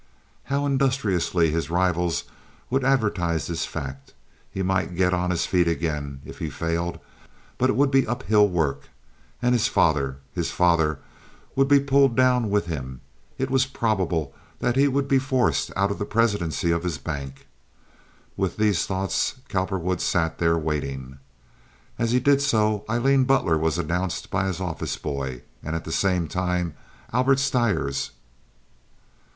How industriously his rivals would advertise this fact! He might get on his feet again if he failed; but it would be uphill work. And his father! His father would be pulled down with him. It was probable that he would be forced out of the presidency of his bank. With these thoughts Cowperwood sat there waiting. As he did so Aileen Butler was announced by his office boy, and at the same time Albert Stires.